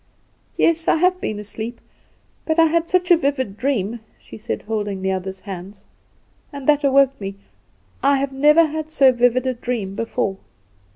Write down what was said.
"Yes, I have been asleep; but I had such a vivid dream," she said, holding the other's hands, "and that woke me. I never had so vivid a dream before.